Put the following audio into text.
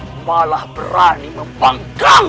tapi kalian malah berani untuk menangkan saya